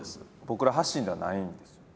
僕ら発信ではないんですよね。